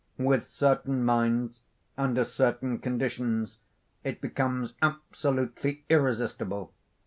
With certain minds, under certain conditions, it becomes absolutely irresistible.